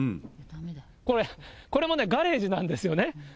これ、これもね、ガレージなんですよね。